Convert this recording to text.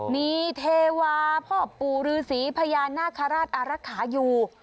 มีเทวาพ่อปู่ฤษีพญานาคาราชอารักษาอยู่